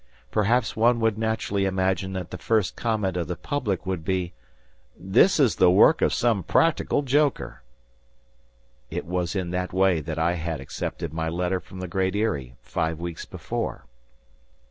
Perhaps one would naturally imagine that the first comment of the public would be, "This is the work of some practical joker." It was in that way that I had accepted my letter from the Great Eyrie, five weeks before.